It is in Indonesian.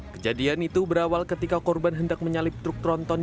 kejadian itu berawal ketika korban hendak menyalip truk tronton